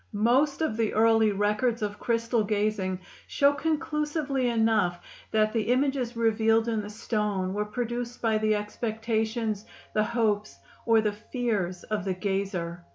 Most of the early records of crystal gazing show conclusively enough that the images revealed in the stone were produced by the expectations, the hopes, or the fears of the gazer.